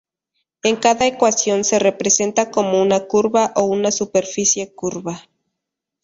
En cada ecuación se representa como una curva o una superficie curva.